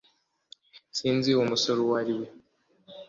Sinzi uwo musore uwo ari we